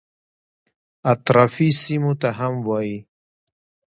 اطرافي سیمو ته هم وایي.